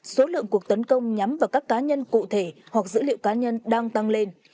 số lượng cuộc tấn công nhắm vào các cá nhân cụ thể hoặc dữ liệu cá nhân đang tăng lên